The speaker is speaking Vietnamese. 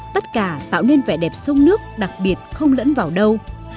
tất cả tạo nên vẻ đẹp sông nước đặc biệt không lẫn vào đâu